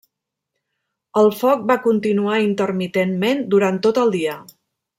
El foc va continuar intermitentment durant tot el dia.